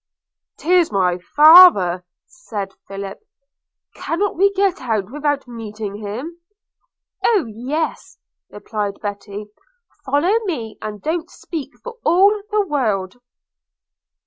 "Tis my father,' said Philip – 'Cannot we get out without meeting him?' 'Oh yes,' replied Betty; 'follow me, and don't speak for all the world.'